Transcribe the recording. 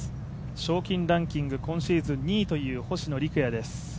賞金ランキング、今シーズン２位という星野陸也です